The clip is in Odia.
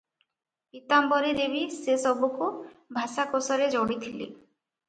ପୀତାମ୍ବରୀ ଦେବୀ ସେସବୁକୁ ଭାଷାକୋଷରେ ଯୋଡ଼ିଥିଲେ ।